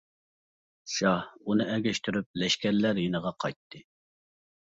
شاھ ئۇنى ئەگەشتۈرۈپ لەشكەرلەر يېنىغا قايتتى.